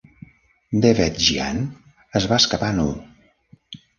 Devedjian es va escapar nu.